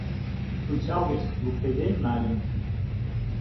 Пычал гыч луктеден нальым.